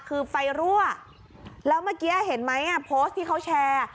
คือไฟรั่วแล้วเมื่อกี้เห็นไหมโพสต์ที่เขาแชร์